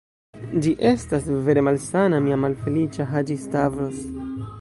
Ci estas vere malsana, mia malfeliĉa Haĝi-Stavros.